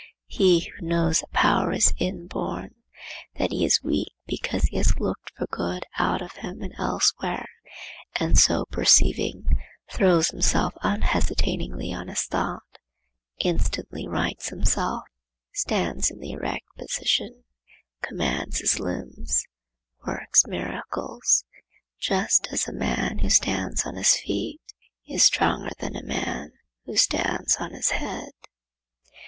He who knows that power is inborn, that he is weak because he has looked for good out of him and elsewhere, and so perceiving, throws himself unhesitatingly on his thought, instantly rights himself, stands in the erect position, commands his limbs, works miracles; just as a man who stands on his feet is stronger than a man who stands on his head.